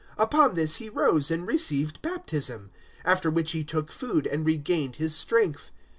Upon this he rose and received baptism; 009:019 after which he took food and regained his strength.